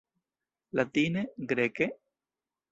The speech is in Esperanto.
Latine? Greke?